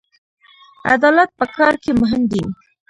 عدالت په کار کې مهم دی